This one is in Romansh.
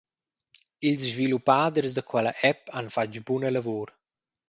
Ils sviluppaders da quella app han fatg buna lavur.